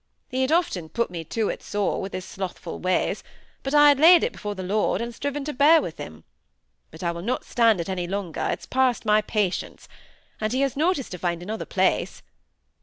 He had often put me to it sore, with his slothful ways, but I had laid it before the Lord, and striven to bear with him. But I will not stand it any longer, it's past my patience. And he has notice to find another place.